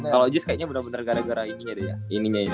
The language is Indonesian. kalo jazz kayaknya bener bener gara gara ininya deh ya